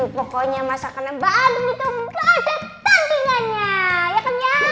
pokoknya masakan mbak andien itu